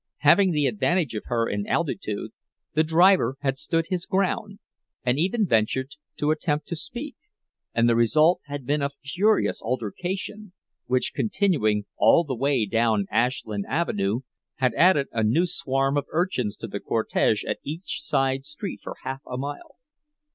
Having the advantage of her in altitude, the driver had stood his ground and even ventured to attempt to speak; and the result had been a furious altercation, which, continuing all the way down Ashland Avenue, had added a new swarm of urchins to the cortege at each side street for half a mile.